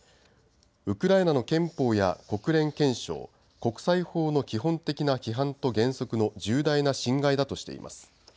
ウクライナの憲法や国連憲章国際法の基本的な規範と原則の重大な侵害だとしています。